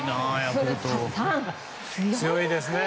強いですね！